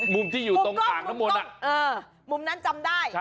มุมที่อยู่ตรงอ่างน้ำมนต์มุมนั้นจำได้